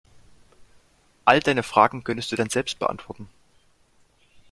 All deine Fragen könntest du dann selbst beantworten.